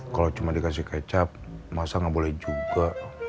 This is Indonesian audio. kalau cuma dikasih kecap masak nggak boleh juga